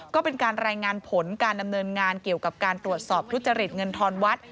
ก็เป็นการรายงานผลการดำเนินงานเกี่ยวกับการตรวจสอบทุจริตเงินทอนวัด